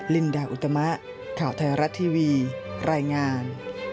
ลินดาอุตมะข่าวไทยรัฐทีวีรายงาน